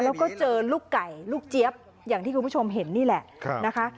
แล้วก็เจอลูกไก่ลูกเจี๊ยบอย่างที่คุณผู้ชมเห็นนี่แหละนะคะ